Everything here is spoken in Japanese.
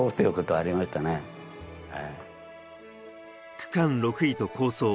区間６位と好走。